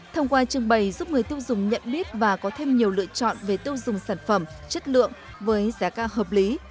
thông qua trưng bày giúp người tiêu dùng nhận biết và có thêm nhiều lựa chọn về tiêu dùng sản phẩm chất lượng với giá ca hợp lý